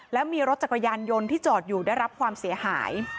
แล้วมีรถจักรยานยนต์ที่จอดอยู่ได้รับความเสียหาย